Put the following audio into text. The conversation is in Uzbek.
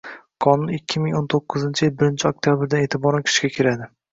Qonun ikki ming o'n to'qqizinchi yil birinchi oktabrdan e’tiboran kuchga kiradi.